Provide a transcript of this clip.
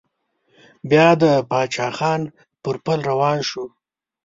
بيا د پاچا خان پر پل روان شو.